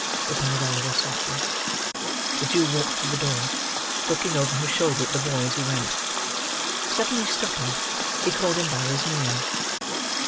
replied Oliver, softly. The Jew walked to the door: looking over his shoulder at the boy as he went. Suddenly stopping, he called him by his name.